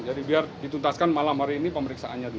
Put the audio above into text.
jadi biar dituntaskan malam hari ini pemeriksaannya dulu